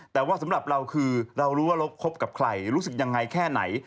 แต่ว่าสำหรับเราคือเรารู้ว่าเราคบกับใครรู้สึกยังไงแค่ไหน